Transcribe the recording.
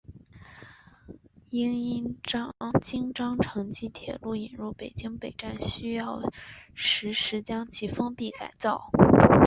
因应京张城际铁路引入北京北站需要时需要将其封闭改造。